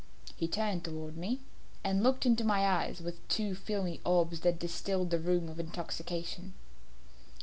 He turned towards me, and looked into my eyes with two filmy orbs that distilled the rheum of intoxication.